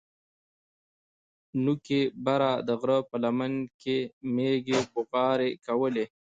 نوکي بره د غره په لمن کښې مېږې بوغارې کولې.